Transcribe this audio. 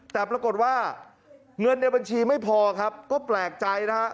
แต่ปรากฏว่าเงินในบัญชีไม่พอครับก็แปลกใจนะฮะ